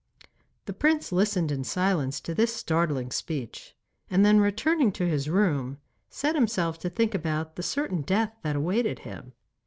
The prince listened in silence to this startling speech, and then returning to his room set himself to think about the certain death that awaited him.